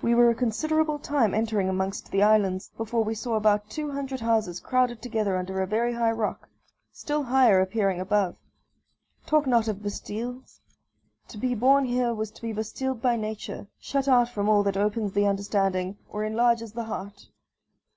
We were a considerable time entering amongst the islands, before we saw about two hundred houses crowded together under a very high rock still higher appearing above. Talk not of Bastilles! To be born here was to be bastilled by nature shut out from all that opens the understanding, or enlarges the heart.